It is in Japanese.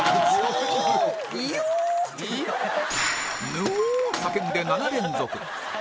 ぬおっ！と叫んで７連続